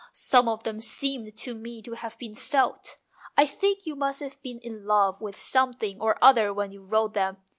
Some of them seemed to me to have been felt ; I think you must have been in love with something or other when you wrote them.